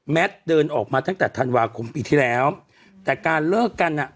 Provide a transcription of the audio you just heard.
เดินออกมาตั้งแต่ธันวาคมปีที่แล้วแต่การเลิกกันอ่ะ